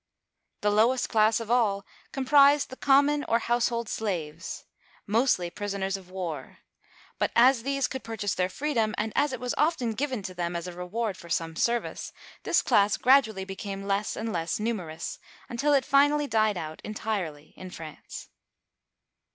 The lowest class of all comprised the common or house hold slaves, — mostly prisoners of war, — but as these could uigitizea Dy vjiOOQlC 84 OLD FRANCE purchase their freedom, and as it was often given to them as reward for some service, this class gradually became less and less numerous, until it finally died out entirely in France.